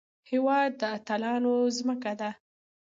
هېواد د اتلانو ځمکه ده